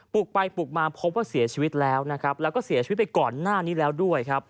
ปลุกไปปลุกมาพบว่าเสียชีวิตแล้วและสีวิตไปก่อนหน้านี้แล้วด้วย